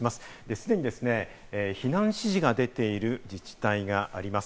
すでに避難指示が出ている自治体があります。